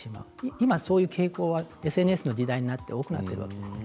今そういう傾向がＳＮＳの時代になって多くなっています。